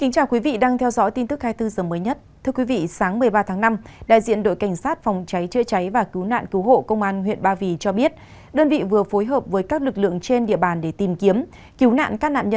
các bạn hãy đăng ký kênh để ủng hộ kênh của chúng mình nhé